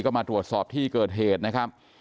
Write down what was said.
ก็มาตรวจสอบที่เกิดเหตุนะครับ